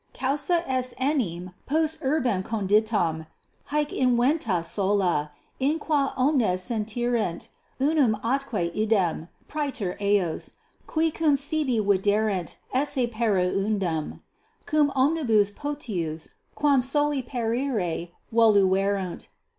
Causa est enim post urbem conditam haec inventa sola, in qua omnes sentirent unum atque idem, praeter eos, qui cum sibi viderent esse pereundum, cum omnibus potius quam soli perire voluerunt.